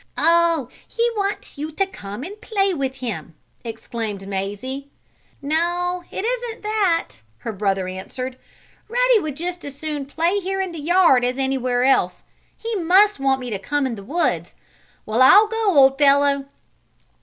"Oh, he wants you to come and play with him!" exclaimed Mazie. "No, it isn't that," her brother answered. "Ruddy would just as soon play here in the yard as anywhere else. He must want me to come to the woods. Well, I'll go, old fellow!"